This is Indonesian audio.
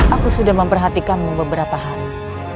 aku sudah memperhatikanmu beberapa hari